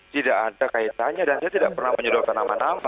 tidak ada kaitannya dan saya tidak pernah menyodorkan nama nama